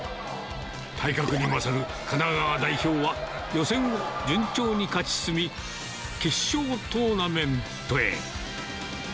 体格にも勝る神奈川代表は、予選を順調に勝ち進み、決勝トーナメントへ。